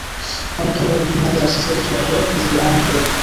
অনেক খেলোয়াড়ই ফুল হাতা জার্সি ছেঁটে ছোট করে নিজেদের আরামের জন্য।